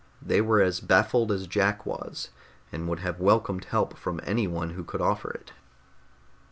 They were as baffled as Jack was, and would have welcomed help from anyone who could offer it.